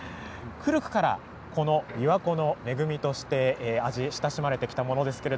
古くから、びわ湖の恵みとして親しまれてきたものです。